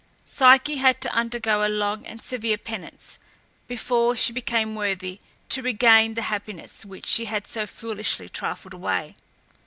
Psyche had to undergo a long and severe penance before she became worthy to regain the happiness, which she had so foolishly trifled away.